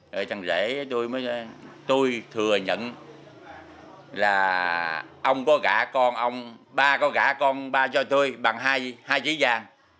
rồi thằng rể tôi mới tôi thừa nhận là ông có gã con ông ba có gã con ba cho tôi bằng hai chỉ vàng